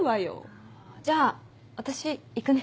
あじゃあ私行くね。